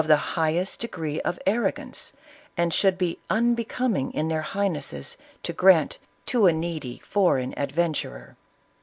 117 the highest degree of arrogance, and would be unbe coming in their highnesses to grant to a needy foreign adventurer."